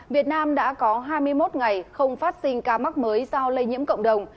việt nam đã có hai mươi một ngày không phát sinh ca mắc mới do lây nhiễm cộng đồng